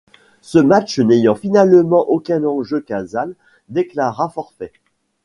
Ce match n’ayant finalement aucun enjeu Casale déclara forfait.